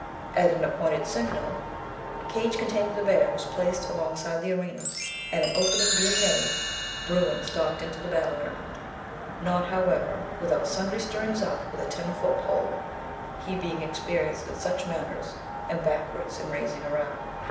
At an appointed signal, a cage containing the bear was placed alongside the arena, and an opening being made, bruin stalked into the battle ground not, however, without sundry stirrings up with a ten foot pole, he being experienced in such matters, and backwards in raising a row.